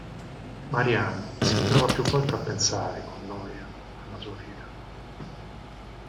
Marian si ritrova più volte a pensare, con noia, alla sua vita.